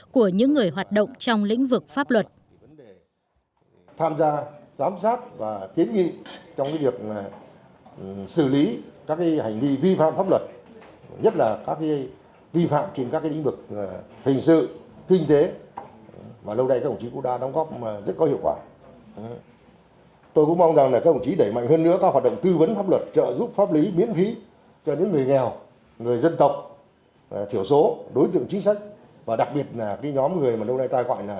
của những người hoạt động trong lĩnh vực pháp luật